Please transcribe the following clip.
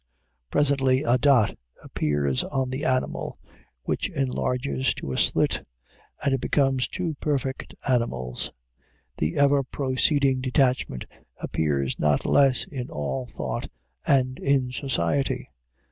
Presently a dot appears on the animal, which enlarges to a slit, and it becomes two perfect animals. The ever proceeding detachment appears not less in all thought, and in society.